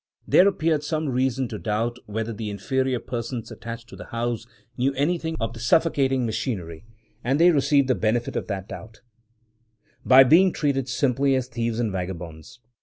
There appeared some reason to doubt whether the inferior persons attached to the house knew anything of the suffocating machinery; and they received the benefit of that doubt, by being treated simply as thieves and vagabonds.